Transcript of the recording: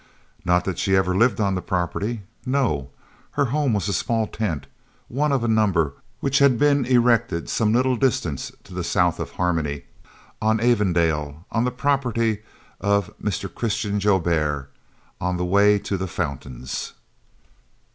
Not that she ever lived on the property; no, her home was a small tent, one of a number which had been erected some little distance to the south of Harmony on Avondale, on the property of Mr. Christian Joubert, on the way to the "Fountains."